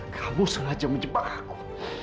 kamu sengaja menjebak aku